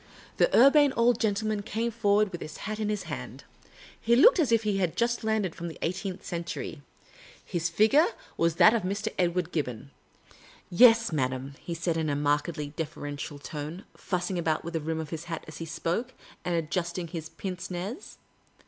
The Urbane Old Gentleman came forward with his hat in his hand. He looked as if he had just landed from the eighteenth century. His figure was that of Mr. Edward .:^ THE URBANE OLD GENTLEMAN. The Urbane Old Gentleman 157 Gibbon. " Yes, madam," he said, in a markedly deferential tone, fussing about with the rim of his hat as he spoke, and adjusting his pincc ncz.